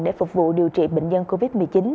để phục vụ điều trị bệnh nhân covid một mươi chín